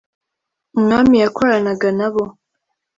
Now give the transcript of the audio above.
Umwami yakoranaga na bo